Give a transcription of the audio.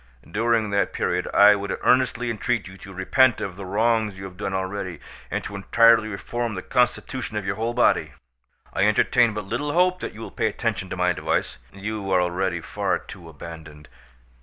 During that period I would earnestly entreat you to repent of the wrongs you have done already, and to entirely reform the constitution of your whole body. I entertain but little hope that you will pay attention to my advice; you are already far too abandoned.